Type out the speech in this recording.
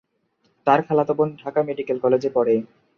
তার খালাতো বোন ঢাকা মেডিকেল কলেজে পড়ে।